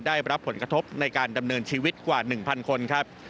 ได้รับผลกระทบในการดำเนินชีวิตกว่า๑๐๐คนครับ